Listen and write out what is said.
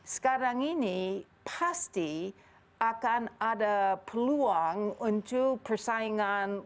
sekarang ini pasti akan ada peluang untuk persaingan